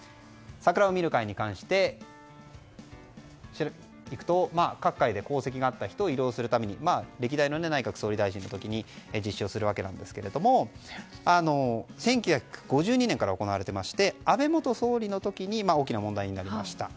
桜を見る会に関して各界で功績のあった人を慰労するために歴代の内閣総理大臣が実施するわけなんですけども１９５２年から行われていまして安倍元総理の時に大きな問題になりました。